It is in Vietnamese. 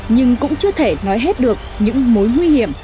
nhưng cũng chưa thể nói hết được những mối nguy hiểm